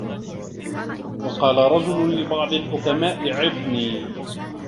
وَقَالَ رَجُلٌ لِبَعْضِ الْحُكَمَاءِ عِظْنِي